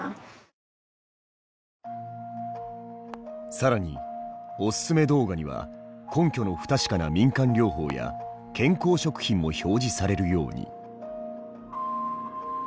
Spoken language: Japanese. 更におすすめ動画には根拠の不確かな民間療法や健康食品も表示されるように。